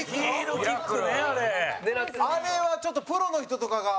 蛍原：あれは、ちょっとプロの人とかが。